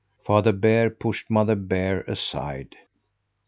Father Bear pushed Mother Bear aside.